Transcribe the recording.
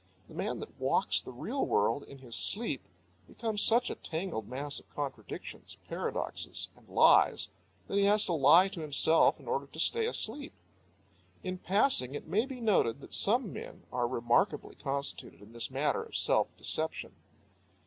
The man that walks the real world in his sleep becomes such a tangled mass of contradictions, paradoxes, and lies that he has to lie to himself in order to stay asleep. In passing, it may be noted that some men are remarkably constituted in this matter of self deception.